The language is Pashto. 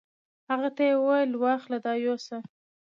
هغه ته یې وویل: واخله دا یوسه.